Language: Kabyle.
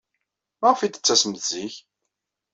Maɣef ay d-tettasemt zik?